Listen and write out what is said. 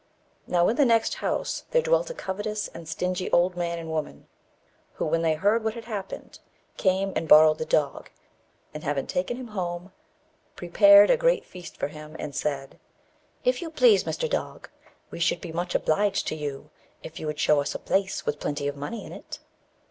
Now, in the next house there dwelt a covetous and stingy old man and woman, who, when they heard what had happened, came and borrowed the dog, and, having taken him home, prepared a great feast for him, and said "If you please, Mr. Dog, we should be much obliged to you if you would show us a place with plenty of money in it."